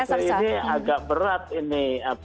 tapi ini agak berat ini